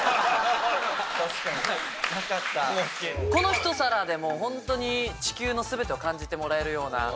このひと皿で地球の全てを感じてもらえるような。